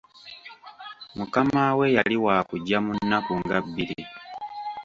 Mukama we yali waakujja mu nnaku nga bbiri.